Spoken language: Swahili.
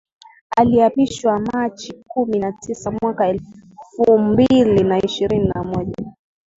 Aliapishwa Machi kumi na tisa mwaka elfum bili na ishirini na moja